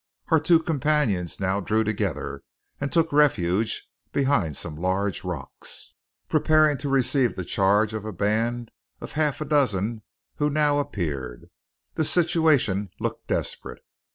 Our two companions now drew together, and took refuge behind some large rocks, preparing to receive the charge of a band of half dozen who now appeared. The situation looked desperate.